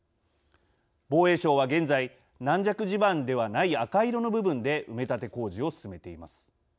防衛省は、現在軟弱地盤ではない赤色の部分で埋め立て工事を進めています。